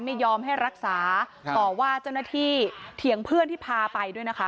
ไม่ยอมให้รักษาต่อว่าเจ้าหน้าที่เถียงเพื่อนที่พาไปด้วยนะคะ